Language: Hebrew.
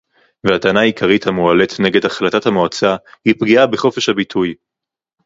והטענה העיקרית המועלית נגד החלטת המועצה היא פגיעה בחופש הביטוי